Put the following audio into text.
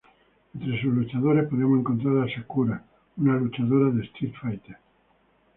Entre sus luchadores, podíamos encontrar a Sakura, una luchadora de Street Fighter.